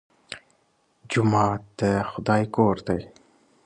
جومات د خدای کور دی.